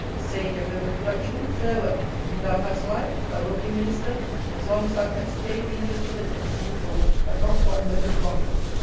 Sage of over production, farewell. If thou hast life, thou wilt be Minister, as long as thou canst pay the interest of the Debt in full, but not one moment longer.